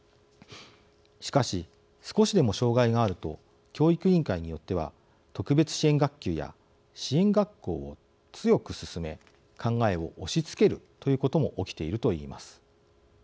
しかし、少しでも障害があると教育委員会によっては特別支援学級や支援学校を強く勧め考えを押しつけるということも起きているといいます。